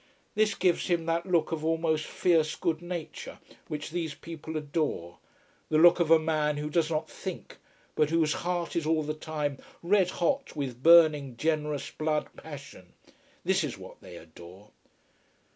This gives him that look of almost fierce good nature which these people adore: the look of a man who does not think, but whose heart is all the time red hot with burning, generous blood passion. This is what they adore.